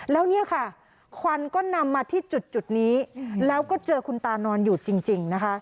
แล้วเนี่ยค่ะควันก็นำมาที่จุดนี้แล้วก็เจอคุณตานอนอยู่จริงนะคะ